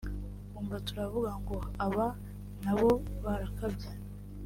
ukumva turavuga ngo “aba na bo barakabya